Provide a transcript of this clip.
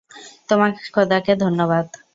তোমার খোদাকে ধন্যবাদ।